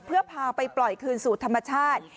เพื่อพาไปปล่อยคืนสู่ธรรมชาติ